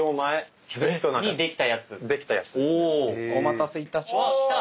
お待たせいたしました。